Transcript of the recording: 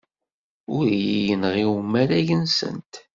Ur iyi-yenɣi umareg-nsent.